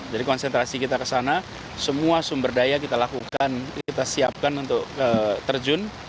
jadi konsentrasi kita ke sana semua sumber daya kita lakukan kita siapkan untuk terjun